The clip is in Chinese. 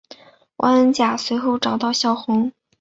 汪恩甲随后找到萧红。